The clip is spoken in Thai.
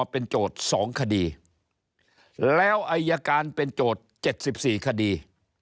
เป็นโจทย์สองคดีแล้วอัยการเป็นโจทย์เจ็ดสิบสี่คดี